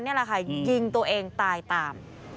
นี่แหละค่ะยิงตัวเองตายตาม